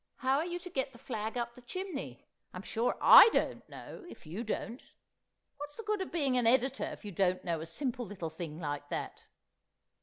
... How are you to get the flag up the chimney? I'm sure I don't know if you don't! What's the good of being an editor if you don't know a simple little thing like that?"